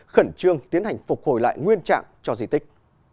khẩn trương tiến hành phục hồi lại nguyên trạng cho di tích